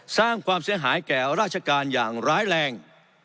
สร้างความเสียหายแก่ราชการอย่างร้ายแรง